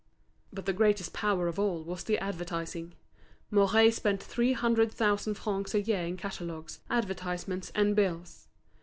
But the greatest power of all was the advertising. Mouret spent three hundred thousand francs a year in catalogues, advertisements, and bills.